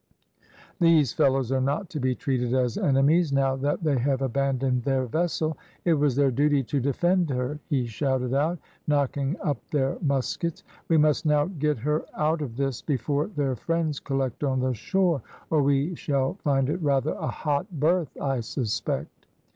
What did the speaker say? "These fellows are not to be treated as enemies, now that they have abandoned their vessel. It was their duty to defend her," he shouted out, knocking up their muskets. "We must now get her out of this before their friends collect on the shore, or we shall find it rather a hot berth, I suspect."